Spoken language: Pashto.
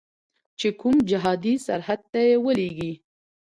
چې کوم جهادي سرحد ته یې ولیږي.